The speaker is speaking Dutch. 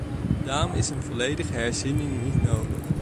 Daarom is een volledige herziening niet nodig.